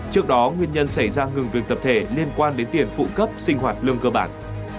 trước đó nguyên nhân xảy ra ngừng việc tập thể liên quan đến tiền phụ cấp sinh hoạt lương cơ bản